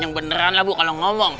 yang beneran lah bu kalau ngomong